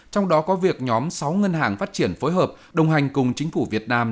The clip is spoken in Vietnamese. trong đó có việc nhóm sáu ngân hàng phát triển phối hợp đồng hành cùng chính phủ việt nam